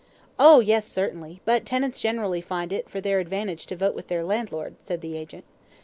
"Oh, yes, certainly; but tenants generally find it for their advantage to vote with their landlord," said the agent.